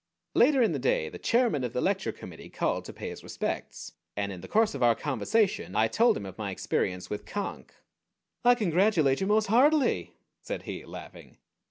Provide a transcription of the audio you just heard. Later in the day the chairman of the lecture committee called to pay his respects, and in the course of our conversation I told him of my experience with Conk. "I congratulate you most heartily," said he, laughing.